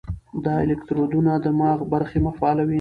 دا الکترودونه د دماغ برخې فعالوي.